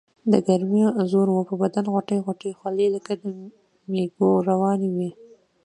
دګرمۍ زور وو پۀ بدن غوټۍ غوټۍ خولې لکه د مېږو روانې وي ـ